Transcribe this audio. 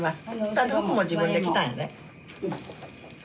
だって服も自分で着たんやで。